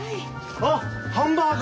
あっハンバーグ！